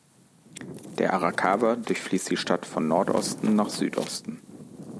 Der Arakawa durchfließt die Stadt von Nordosten nach Südosten.